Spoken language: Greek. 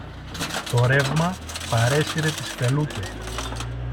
Το ρεύμα παρέσυρε τις φελούκες